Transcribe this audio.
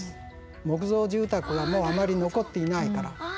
木造住宅がもうあまり残っていないから。